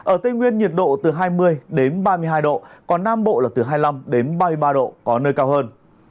ở tây nguyên nhiệt độ từ hai mươi ba mươi hai độ còn nam bộ là từ hai mươi năm ba mươi ba độ có nơi cao hơn